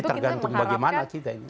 tergantung bagaimana kita ini